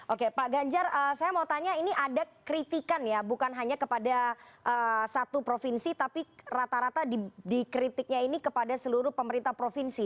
oke pak ganjar saya mau tanya ini ada kritikan ya bukan hanya kepada satu provinsi tapi rata rata dikritiknya ini kepada seluruh pemerintah provinsi